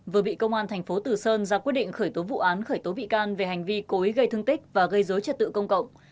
vừa bị công an thành phố tử sơn ra quyết định khởi tố vụ án khởi tố bị can về hành vi cố ý gây thương tích và gây dối trật tự công cộng